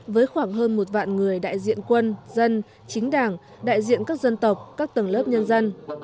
với khoảng hơn một vạn người đại diện quân dân chính đảng đại diện các dân tộc các tầng lớp nhân dân